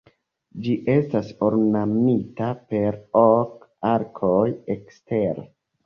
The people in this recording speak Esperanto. Ĝi estas ornamita per ok arkoj ekstere.